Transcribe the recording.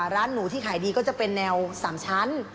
ร้านหนูที่ขายดีก็จะเป็นแนว๓ชั้น